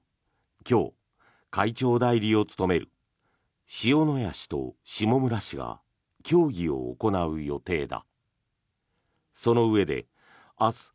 今日、会長代理を務める塩谷氏と下村氏が協議を行う予定だ。